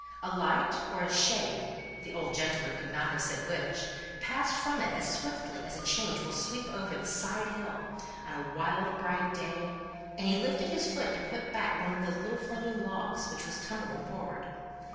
A light, or a shade (the old gentleman could not have said which), passed from it as swiftly as a change will sweep over a hill side on a wild bright day, and he lifted his foot to put back one of the little flaming logs, which was tumbling forward.